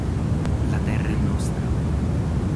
La terra è nostra!